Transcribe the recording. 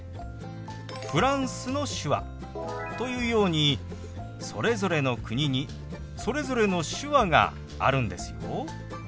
フランスの手話というようにそれぞれの国にそれぞれの手話があるんですよ。